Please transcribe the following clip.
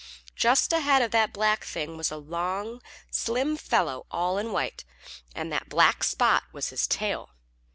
Just ahead of that black thing was a long, slim fellow all in white, and that black spot was his tail.